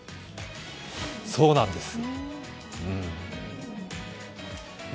そうなんです、うん。